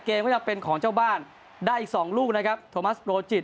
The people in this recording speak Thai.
ก็จะเป็นของเจ้าบ้านได้อีก๒ลูกนะครับโทมัสโรจิต